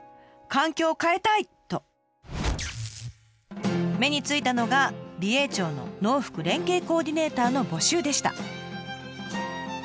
環境を変えたい！と目についたのが美瑛町の農福連携コーディネーターの募集でした。